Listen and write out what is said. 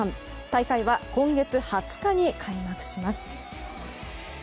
大会は今月２０日に開幕します。